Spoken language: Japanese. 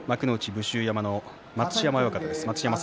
武州山の待乳山親方です。